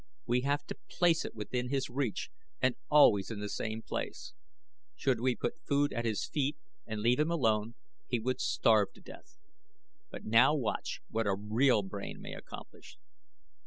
We have to place it within his reach and always in the same place. Should we put food at his feet and leave him alone he would starve to death. But now watch what a real brain may accomplish."